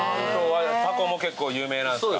タコも結構有名なんすか？